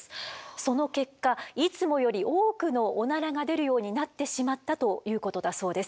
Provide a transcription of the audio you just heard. その結果いつもより多くのオナラが出るようになってしまったということだそうです。